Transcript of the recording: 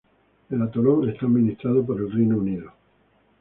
El atolón es administrado por el Reino Unido.